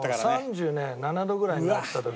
３７度ぐらいになった時のね。